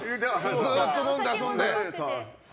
ずっと飲んで遊んで。